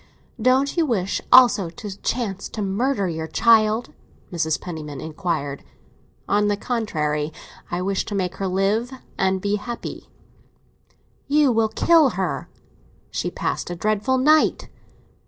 "Don't you wish also by chance to murder our child?" Mrs. Penniman inquired. "On the contrary, I wish to make her live and be happy." "You will kill her; she passed a dreadful night."